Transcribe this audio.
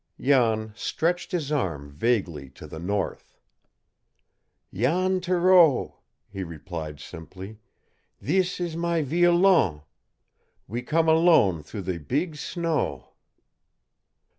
Jan stretched his arm vaguely to the north. "Jan Thoreau," he replied simply. "Thees is my violon. We come alone through the beeg snow."